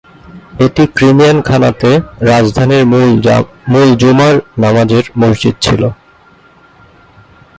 এটি Crimean Khanate রাজধানীর মূল জুমার নামাজের মসজিদ ছিল।